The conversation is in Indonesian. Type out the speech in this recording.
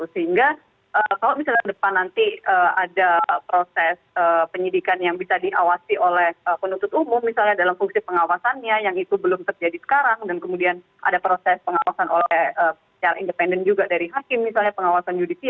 sehingga kalau misalnya depan nanti ada proses penyidikan yang bisa diawasi oleh penuntut umum misalnya dalam fungsi pengawasannya yang itu belum terjadi sekarang dan kemudian ada proses pengawasan oleh secara independen juga dari hakim misalnya pengawasan judicial